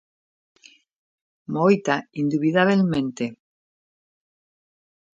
Moita, indubidabelmente.